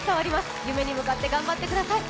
夢に向かって頑張ってください。